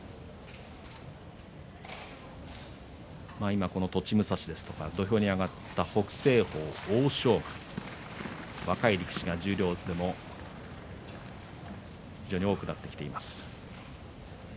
今はこの栃武蔵ですとか土俵に上がってきた北青鵬、欧勝馬若い力士が十両でも多くなってきています。